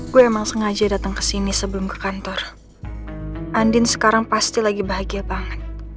gua emang sengaja datang kesini sebelum ke kantor andin sekarang pasti lagi bahagia banget